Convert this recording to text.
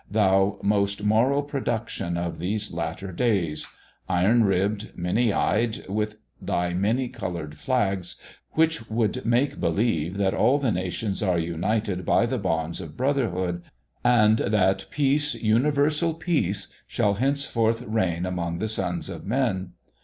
thou most moral production of these latter days; iron ribbed, many eyed, with thy many coloured flags, which would make believe that all the nations are united by the bonds of brotherhood; and that peace, universal peace, shall henceforth reign among the sons of men.